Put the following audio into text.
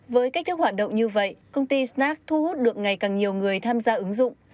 với cách thức hoạt động như vậy công ty snack thu hút được ngày càng nhiều người tham gia ứng dụng